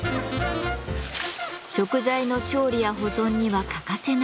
食材の調理や保存には欠かせない存在。